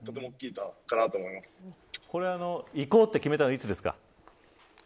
行こうと決めたのはいつですか。